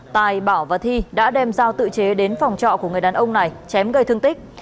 tài bảo và thi đã đem giao tự chế đến phòng trọ của người đàn ông này chém gây thương tích